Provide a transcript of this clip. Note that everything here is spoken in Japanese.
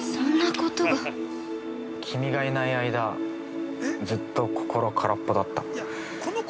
君がいない間、ずっと心空っぽだった。